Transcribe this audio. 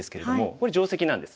これ定石なんです。